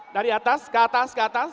dari atas ke atas ke atas